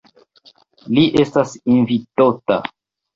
Li estas invitota.